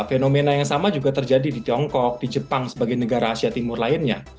fenomena yang sama juga terjadi di tiongkok di jepang sebagai negara asia timur lainnya